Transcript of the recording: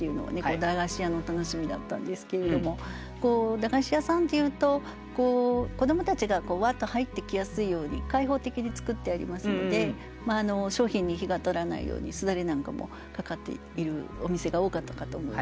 駄菓子屋の楽しみだったんですけれども駄菓子屋さんっていうと子どもたちがわっと入ってきやすいように開放的に作ってありますので商品に日が当たらないように簾なんかも掛かっているお店が多かったかと思います。